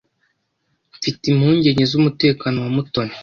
Mfite impungenge z'umutekano wa Mutoni.